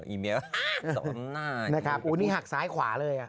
ีเมียวหน้านะครับโอ้นี่หักซ้ายขวาเลยอ่ะ